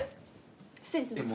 失礼します。